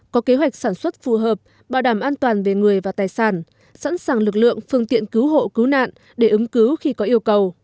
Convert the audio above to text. có kế hoạch sản xuất phù hợp bảo đảm an toàn về người và tài sản sẵn sàng lực lượng phương tiện cứu hộ cứu nạn để ứng cứu khi có yêu cầu